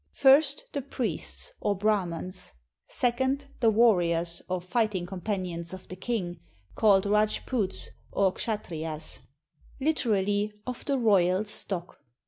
First, the priests, or Brahmans. Second, the warriors or fighting companions of the king, called Rajputs or Kshattriyas, literally, "of the royal stock."